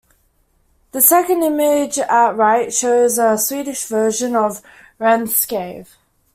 The second image at right shows a Swedish version of "renskav".